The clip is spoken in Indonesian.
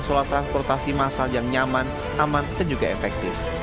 soal transportasi masal yang nyaman aman dan juga efektif